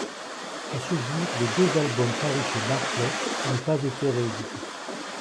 À ce jour, les deux albums parus chez Barclay n'ont pas été réédités.